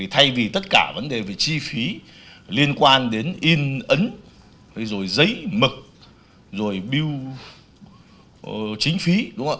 thay vì tất cả vấn đề về chi phí liên quan đến in ấn rồi giấy mực rồi biêu chính phí